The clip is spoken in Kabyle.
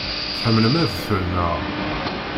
Tḥemmlem adfel, naɣ?